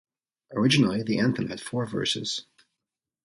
Originally, the anthem had four verses.